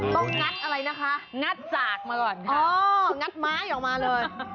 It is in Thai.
งัดอะไรนะคะงัดจากมาก่อนค่ะงัดไม้ออกมาเลย